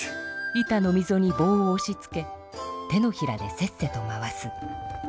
板のみぞにぼうをおしつけ手のひらでせっせと回す。